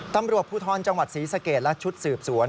ตำรวจภูทรจังหวัดศรีสะเกดและชุดสืบสวน